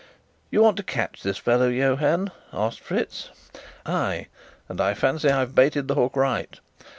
"You want to catch this fellow Johann?" asked Fritz. "Ay, and I fancy I've baited the hook right.